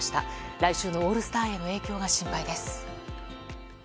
来週のオールスターへの影響が心配です。